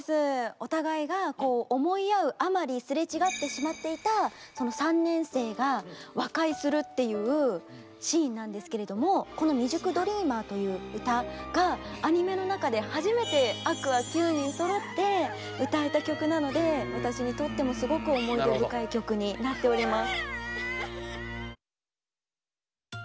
お互いがこう思い合うあまりすれ違ってしまっていた３年生が和解するっていうシーンなんですけれどもこの「未熟ＤＲＥＡＭＥＲ」という歌がアニメの中で初めてＡｑｏｕｒｓ９人そろって歌えた曲なので私にとってもすごく思い出深い曲になっております。